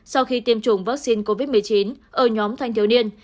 sau khi tiêm chủng vaccine covid một mươi chín ở nhóm thanh thiếu niên